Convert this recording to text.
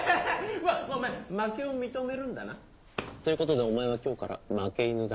うわお前負けを認めるんだな？ということでお前は今日から負け犬だ。